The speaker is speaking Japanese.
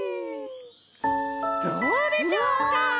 どうでしょうか！？